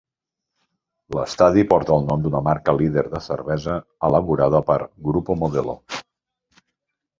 L'estadi porta el nom d'una marca líder de cervesa elaborada per Grupo Modelo.